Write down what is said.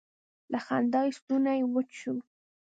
له خندا یې ستونی وچ شو.